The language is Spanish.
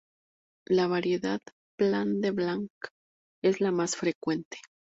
La variedad "Plant de Blanc" es la más frecuente.